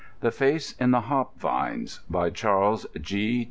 The Face in the Hop Vines By Charles G.